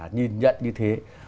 nhìn nhận như thế